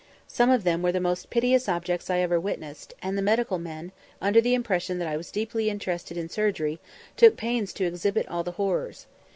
Some of them were the most piteous objects I ever witnessed, and the medical men, under the impression that I was deeply interested in surgery, took pains to exhibit all the horrors.